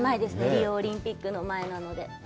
リオオリンピックの前なので。